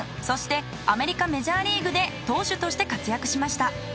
そしてアメリカメジャーリーグで投手として活躍しました。